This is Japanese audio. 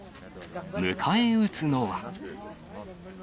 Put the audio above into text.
迎え撃つのは。